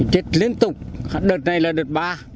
chết liên tục đợt này là đợt ba